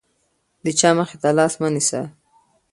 د چا مخې ته لاس مه نیسه.